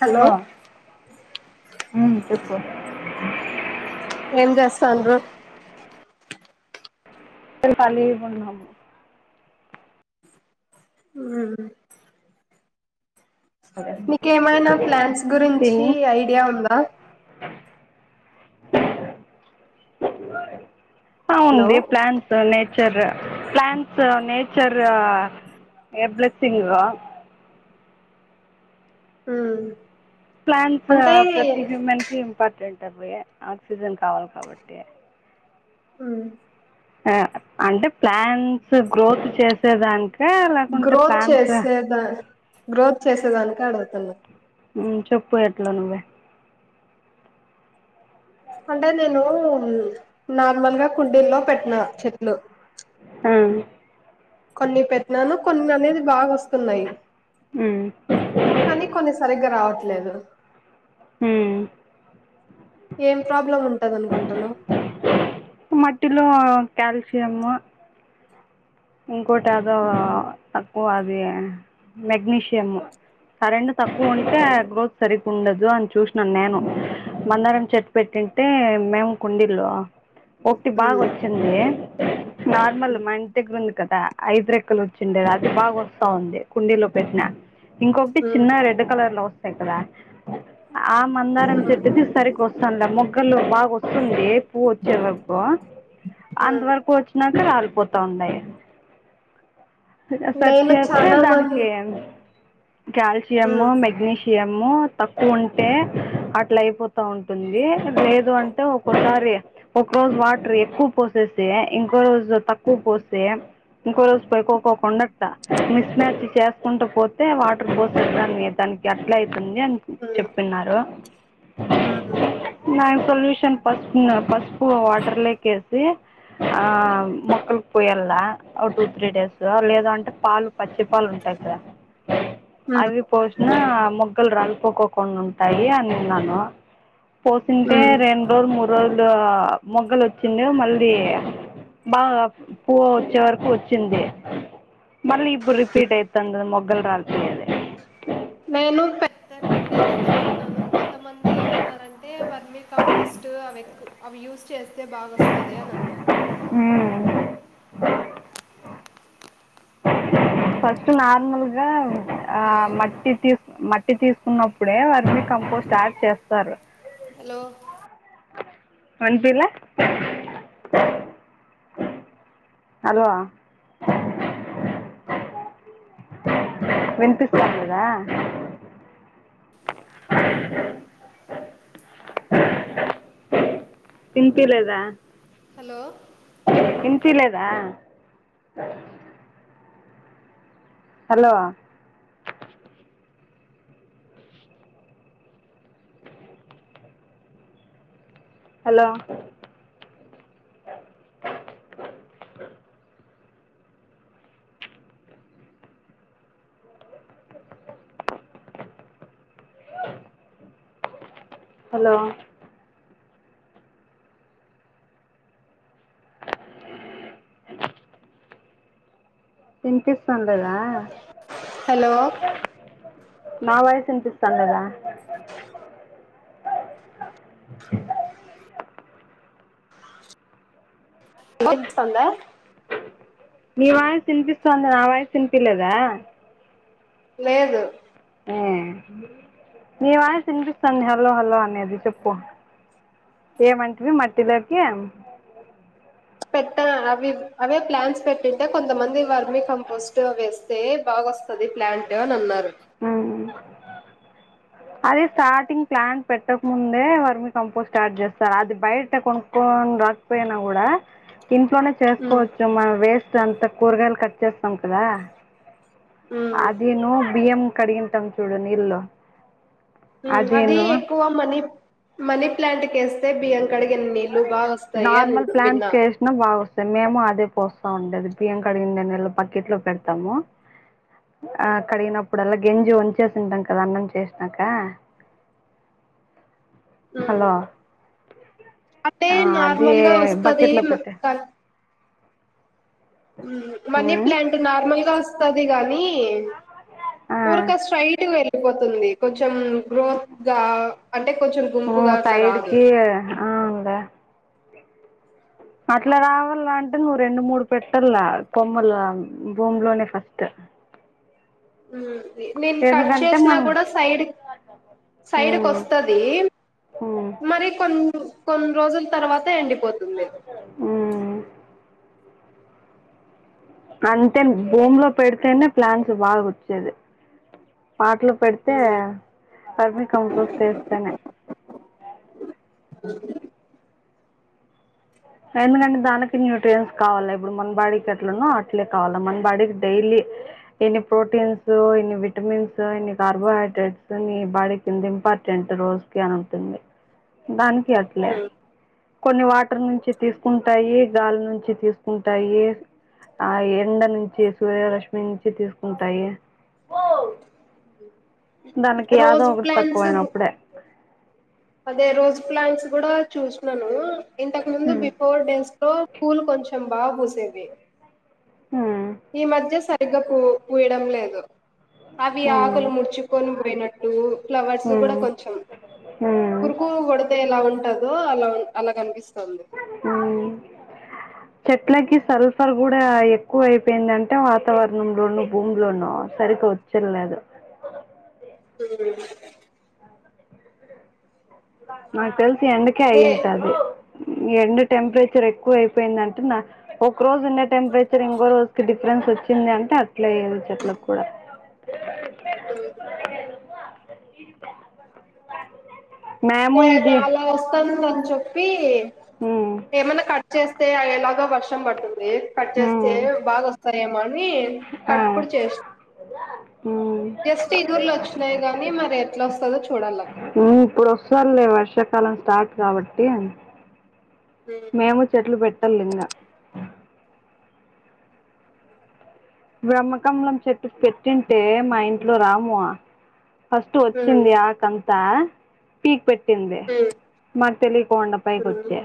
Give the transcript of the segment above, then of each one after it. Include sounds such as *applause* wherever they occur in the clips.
Hello హల్వా ఆర్ చెప్పు ఏం చేస్తండ్రు పల్లీగున్నామ్ నీకేమైనా ప్లాన్స్ గురించి తిని ఐడియా ఉందా ఆ హలో ఉంది plant nature plants nature a blessing ఊ ప్లాన్స్ ప్రతి హ్యూమన్ కి ఇంపార్టెంట్ అ పోయి ఆక్సిజన్ కావాలి కాబట్టి ఆ అంటే ప్లాంట్స్ గ్రోత్ చేసేదానికి గ్రోత్ చేసేదా గ్రోత్ చేసేదానికి అడద్ తను ఉ చెప్పు ఎట్లా నువ్వే అంటే నేను నార్మల్గా కుండీల్లో పెట్టినా చెట్లు ఆ కొన్ని పెట్నాను కొన్ని అనేది బాగా వస్తున్నాయి ఊ లేదు ఊ ఏం ప్రాబ్లం ఉంటది అనుకుంటునావ్ కుట్టిలో కాల్షియము ఇంకోటి అదో తక్కువ అది మెగ్నీషియమ్ కరెంట్ తక్కువ ఉంటే గ్రోత్ సరిగుండదు అని చూసినాను నేను మందారం చెట్టు పెట్టింటే మేము కుండిల్లో ఒకటి బాగా ఉమ్ వచ్చింది నార్మల్ మం నీదగ్గర ఉంది కదా ఐదు రెక్కలు వచ్చిండే అది బాగా వస్తా ఉంది కుండీలో పెట్టిన ఇంకొకటి ఉమ్ చిన్న రెడ్ కలర్ లో క్కద ఆ మందారం చెట్టుది సరిగ్గా వస్తంది ఆ మొగ్గల్లు బాగా వస్తుంది పువ్ వచ్చే వరకు ఉమ్ అంతవరకు వచ్చినాక రాలిపోతుంది *unintelligible* సర్చ్ నేను చేస్తే చానా మంది దానికి కాల్షియము ఉమ్ మెగ్నీషియము తక్కువ ఉంటే అట్లా అయిపోతా ఉంటుంది లేదు అంటే ఒకోసారి ఒక రోజు వాటర్ ఎక్కువ పోసేసే ఇంకో రోజు తక్కువ క్కువ పోస్తే ఇంకో రోజు పోయి పోకోకుండ మిస్మ్యాచ్ చేసుకుంటూ పోతే వాటర్ పోసే దాన్ని దానికి అట్లా అయితే ఉంది అని చెప్తున్నారు ఉహు *unintelligible* సొల్యూషన్ పసుపు పసుపు వాటర్ లేకేసి ఆ మోక్కకి పోయల్లా ఓ టూ త్రీ డేస్ లేద అంటే పాలు పచ్చి పాలు ఉంటాయి కదా అవి పోషీనా ఆ మెగ్గలు రాలిపోకోకుండా ఉంటాయి అని ఉన్నాను పోసింటే ఉమ్ రెండ్రోల్ ము రోజు ఆ మొగ్గలు వచ్చింది మళ్ళీ బాగా పువు వచ్చే వరకు వచ్చింది మళ్ళీ ఇప్పుడు రిపీట్ అయితంది అది మొగ్గ గ్గల్ రాల్ నేను పెద్ద పెట్టేకైతే పెట్టినాను కొంతమంది ఏమన్నారంటే వర్మీ కంపోస్ట్ అవి ఎక్కు అవి యూస్ చేస్తే బాగాస్తది అని అన్నారు ఫస్ట్ నార్మల్గా ఆ హలో మట్టి తీస్ మట్ మట్టి తీసుకున్నప్పుడే వాటిని కంపోజ్ స్టార్ట్ చేస్తారు హలో వనిపిలే హల్వా వినిపిస్తాండదా వినిపిలేదా హలో పిలేదా హలో హలో హలో వినిపిస్తాండదా హలో నా వాయిస్ తినిపిస్తాండదా వినిపిస్తందా నీ వాయిస్ వినిపిస్తాంది నా వాయిస్ వినిపిలేదా లేదు ఆ నీ వాయిస్ వినిపిస్తది హలో హలో అనేది చెప్పు ఏమంటివి మట్టిలే కేం *unintelligible* అవి అవే ప్లాన్స్ పెట్టింటే కొంతమంది వర్మీ కంపోస్ట్ వేస్తే బాగ వస్తుది ప్లాంట్ అని అన్నారు అది స్టార్టింగ్ ప్లాన్ పెట్టక ముందే వర్మి కంపోజట్ స్టార్ట్ చేస్తారు అది బయట కొనుక్కొని రాకపోయినా కూడా ఇంట్లోనే ఉమ్ చేసుకోవచ్చు మనం వేస్ట్ అంత కూరగాయలు కట్ చేస్తాం కదా ఉమ్ అదేను బిఎం కడిగింటాం చూడు నీల్లు అది ఎక్కువ మనీ మనీ ప్లాంట్ కేస్తే బిఎం నార్మల్ విన్నా ప్లాంట్స్ వసినా బాగా వస్తాయి మేము అదే పోస్తా ఉండేది బియ్యం కడిగిన నీళ్లలో బాక్కెట్ లో పెడతాము ఆ కడిగినప్పుడు అలా గింజి వంచేసింటాం కదా అన్నం చేసినాక హలో అంటే ఆ అది నార్మల్గా వస్తుది బకెట్ లో పెట్టే మనీ ఉమ్ ప్లాంట్ నార్మల్గా వస్త కాని ఆ *unintelligible* స్ట్రై వె గిపోతుంది కొంచెం గో గా అంటే కొంచెం ఉమ్ గుంపుగా అట్లా సైడ్ రాదు కి అవునులే అట్లా రావాల అంటే నువ్వు రెండు మూడు పెట్టాల కొమ్మల భూమిలోనే ఫస్ట్ మ్మ్ నేను కట్ ఎందుకంటే చేసినా మనం కూడా సైడ్ సైడ్కి ఉమ్ వస్తుంది ఉమ్ మరి కొన్ని కొన్ని రోజుల తర్వాత ఎండి మ్మ్ అంతే భూమి లో పెడితేనే ప్లాన్స్ బాగా వచ్చేది *unintelligible* పెడితే పర్మి కంపోస్ట్ వేస్తేనే అ ఎందుకంటే దానికి న్యూట్రియన్స్ కావాలా ఇప్పుడు మన బాడీకి అట్లనో అట్లే కావాలా మన బాడీకి డైలీ ఇన్ని ప్రోటీన్స్ ఇన్ని విటమిన్స్ ఇన్ని కార్బోహైడ్రేట్స్ నీ బాడీ కింద ఇంపార్టెంట్ రోజు కి అను *unintelligible* దానికి అట్లే మ్. కొన్ని వాటర్ నుంచి తీసుకుంటాయి గాలి నుంచి తీసుకుంటాయి ఆ ఎండ నుంచి సూర్యరశ్మి నుంచి తీసుకుంటాయి ్రా దానికి *unintelligible* ఒకటి తక్కువయినప్పుడే అదే రోస్ ప్లాంట్స్ కూడా చూస్తున్నాను ఇంతకు ముందు ఉమ్. బిఫోర్ డేస్ అ పూల్ కొంచం బాబూసేవే ఉమ్, ఈ మధ్య సరిగ్గా పూ పూయడం లేదు అవి ఉమ్. ఆకులు ముడుచుకొని పోయినట్టు, ఫ్లవర్స్ కూడా హ్మ్ కొంచెం, హ్మ్ పురుకు కొడతే ఎలా ఉంటదో అలా అలా కనిపిస్ మ్ చెట్లాకి సరఫరా కూడా ఎక్కువ అయిపోయిందంటే వాతావరణంలోనూ భూమిలోనూ సరిగ్గా వచ్చలేదు మా *unintelligible* ఎందుకే అదే అయింటది ఎండడు టెంపరేచర్ ఎక్కువ అయిపోయింది అంటే నా ఒక రోజున్న టెంపరచర్ ఇంకో రోజుకి డిఫరెన్స్ వచ్చింది అంటే అట్లే ఏయ వచ్చట్ల కూడా *inaudible* మేము ఇది పి హ్మ్ ఏమన్నా కట్ చేస్తే ఎలాగ వర్ సంబర్తుంది పచస్తే హ్మ్ బగా సరే అని ఆ తప్పుడు చేసి హ్మ్ జస్ట్ ఈగుర్లో వచ్చినయి గానీ మరి ఎట్లా వస్తుందో చూడాలక సర్లే వర్షాకాలం స్టార్ట్ కాబట్టి ఉమ్ మేము చెట్లు పెట్టలిఇంగ బ్రహ్మకమలం చెట్టు పెట్టింటే మా ఇంట్లో రాము ఫస్ట్టు ఉమ్ వచ్చింది కంత టి పెట్టి ఉమ్ మరి తెలియకోండ పైకి ఉమ్ వచ్చే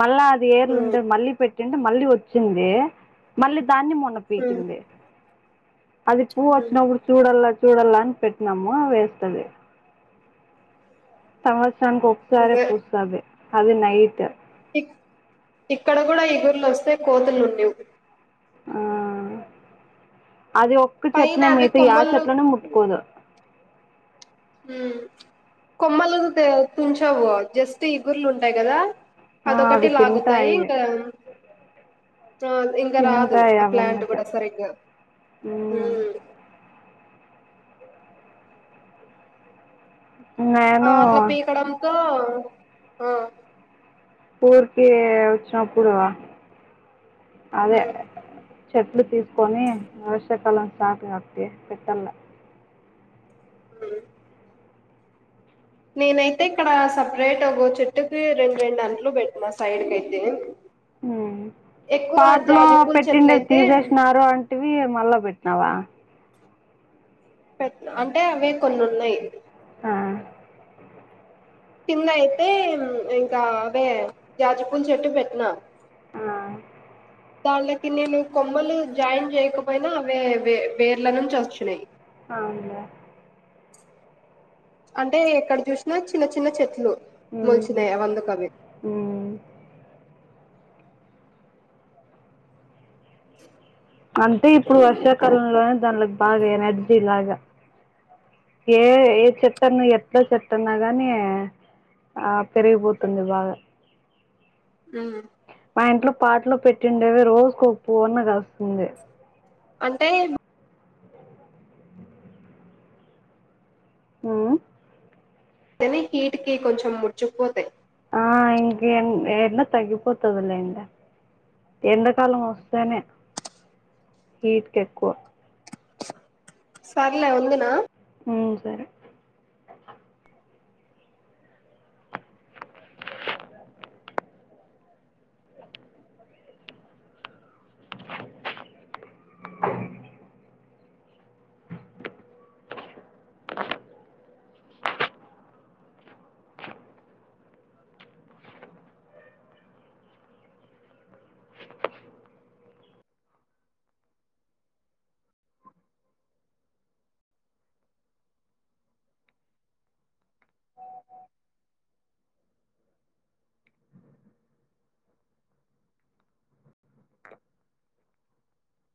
మళ్ళా అది ఉమ్ ఏర్లుండే మళ్ళీ పెట్ మళ్ళీ వచ్చింది మళ్ళీ దాన్ని మ ఉమ్ పింద అది పూవ్ ఉమ్, వచ్చినప్పుడు చూడల్ చూడాల అని పెట్నాము అ వేస్తుది సమస్ సమ్ ఒకసారె అదే పుస్తది అది నైట్ ఇక్కడ కూడా ఇగుర్లొస్తే కోతులున్నీవు ఆ అది ఒక్క పైన చెట్నే అవి మిత ఆ కొమ్మలు చెట్లనే ముట్టుకోదు ఊ కొమ్మలు తె తుంచవు జస్ట్ ఇగుర్లు ఉంటాయి కదా ఆ అదొకటి అవి లాగుతాయి తింటాయి ఇంకా ఆ ఇంకా రాదు తింటాయి ఆ ప్లాంట్ అవన్నీ కూడా సరిగ్గా ఊ హ్మ్. ఆ నేను అట్లా పీకడంతో ఆ ఊరికి వచ్చినప్పుడూ అదే హ్మ్ చెట్లు తీసు కొని ఆశ్ చెక్కాలం సాటి వక్తయ పెట్టల్ అ నేనైతే ఇక్కడ సపరేట్ ఒకో చెట్టుకి రెండు రెండు అంట్లు పెట్టా సైడ్ కయితే ఎక్కువ పాట్లో జాజిపూల పెట్టిండేవి చెట్లయితే తీసేసినారు అంటివి మళ్ళా పెట్టినావా పెట్ అంటే అవే కొన్ని ఉన్నాయి ఆ కింద అయితే ఇంకా అదే జాజిపూల చెట్టు పెట్టినా ఆ! దానిలోకి నేను కొమ్మలు జాయిన్ చేయకపోయినా అవే వే వేర్ల నుంచి వచ్చినయి అవునా అంటే ఎక్కడ చూసినా చిన్న చిన్న చెట్లు ఊ మొలిచినాయి అవందుకవి ఉమ్ అంటే ఇప్పుడు వర్షాకాలంలోనే దానిలకు బాగా ఎనర్జీ లాగా ఏ ఏ ఏ చెట్టన్న ఎట్ల చెట్టన్న గానీ ఆ పెరిగిపోతుంది బాగా ఉమ్ ఆ ఇంట్లో పాట్లో పెట్టుండేవి. రోజుకో పువ్వన్న కాస్తుంది అంటే ఊ టెనే హీటికి కొంచెం ముడుచుకుపోతాయి ఆ ఇంక ఎ ఎండ తగ్గిపోతుంది లేండి ఎంతకాలం వస్తేనే హీట్కి ఎక్కువ సర్లే ఉందునా ఊ సరే